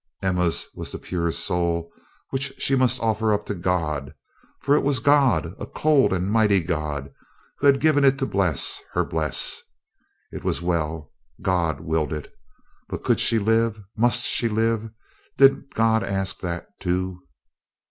Emma's was the pure soul which she must offer up to God; for it was God, a cold and mighty God, who had given it to Bles her Bles. It was well; God willed it. But could she live? Must she live? Did God ask that, too?